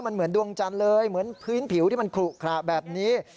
มันเหมือนดวงจันทร์เลยเหมือนพื้นผิวที่มันขลุขระแบบนี้